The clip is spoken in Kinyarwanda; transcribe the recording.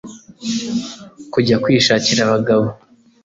kujya kwishakira abagabo